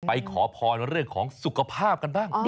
ขอพรเรื่องของสุขภาพกันบ้าง